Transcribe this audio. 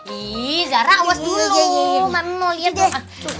iiih zara awas dulu mami mau liat tau ah